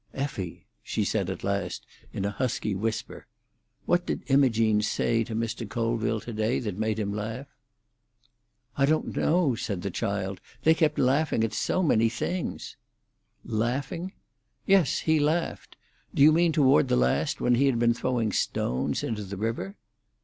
"Effie," she said at last, in a husky whisper, "what did Imogene say to Mr. Colville to day that made him laugh?" "I don't know," said the child. "They kept laughing at so many things." "Laughing?" "Yes; he laughed. Do you mean toward the last, when he had been throwing stones into the river?"